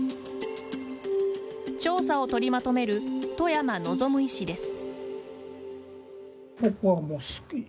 調査をとりまとめる外山望医師です。